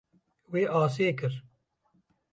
Wê asê kir.